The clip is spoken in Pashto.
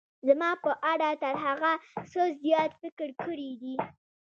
زما په اړه تر هغه څه زیات فکر کړی وي.